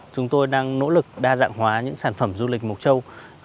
chúng tôi đang nỗ lực đa dạng hóa những sản phẩm du lịch mục châu